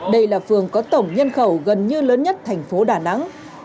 đây là phường có tổng nhân khẩu gần như lớn nhất thành phố đà nẵng